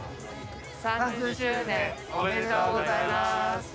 ３０周年おめでとうございます！